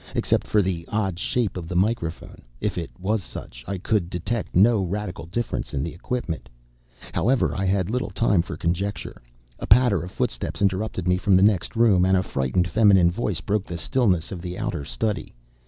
Except for the odd shape of the microphone, if it was such I could detect no radical difference in equipment. However, I had little time for conjecture. A patter of footsteps interrupted me from the next room, and a frightened, feminine voice broke the stillness of the outer study.